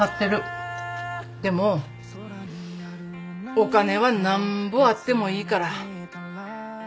お金は何ぼあってもいいから。